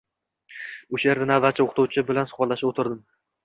Oʻsha yerda navbatchi oʻqituvchi bilan suhbatlashib oʻtirdim.